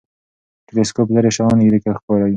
ټلسکوپ لرې شیان نږدې ښکاري.